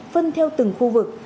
phân theo từng khu vực